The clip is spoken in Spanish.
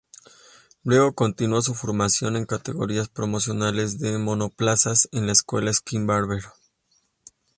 Luego continuó su formación en categorías promocionales de monoplazas en la escuela Skip Barber.